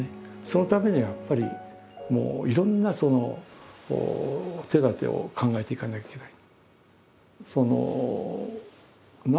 そのためにはやっぱりいろんな手だてを考えていかなきゃいけない。